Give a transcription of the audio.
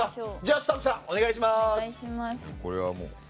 スタッフさんお願いします。